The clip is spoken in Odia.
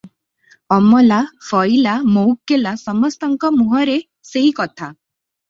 ଅମଲା ଫଇଲା ମଓକ୍କେଲ ସମସ୍ତଙ୍କ ମୁହଁରେ ସେହି କଥା ।